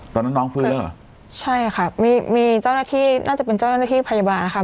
ตอนนั้นน้องฟื้นแล้วเหรอใช่ค่ะมีมีเจ้าหน้าที่น่าจะเป็นเจ้าหน้าที่พยาบาลนะคะ